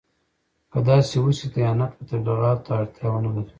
که داسې وشي دیانت به تبلیغاتو ته اړتیا ونه لري.